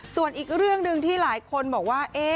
ส่วนอีกเรื่องหนึ่งที่หลายคนบอกว่า